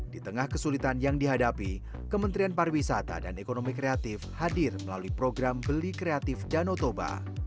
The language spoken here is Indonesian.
di tengah kesulitan yang dihadapi kementerian pariwisata dan ekonomi kreatif hadir melalui program beli kreatif danau toba